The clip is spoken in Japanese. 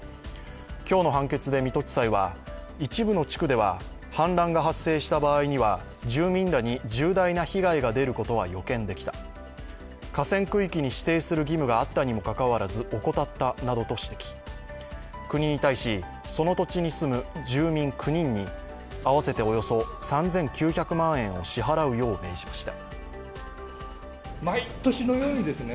今日の判決で水戸地裁は一部の地区では氾濫が発生した場合には住民らに重大な被害が出ることは予見できた、河川区域に指定する義務があったにもかかわらず怠ったなどと指摘、国に対し、その土地に住む住民９人に合わせておよそ３９００万円を支払うよう命じました。